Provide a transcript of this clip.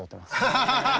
ハハハハハ。